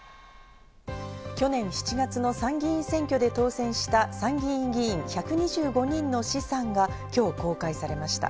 去年７月の参議院選挙で当選した参議院議員１２５人の資産が今日公開されました。